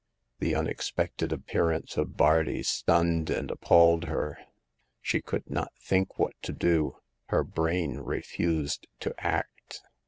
The unexpected appearance of Bardi stunned and appalled her ; she could not think what to do ; her brain refused to act.